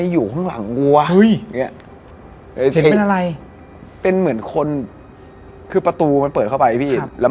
ถือป้ายด้วยหรอ